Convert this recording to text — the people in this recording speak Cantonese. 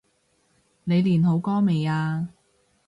你練好歌未呀？